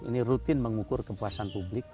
ini rutin mengukur kepuasan publik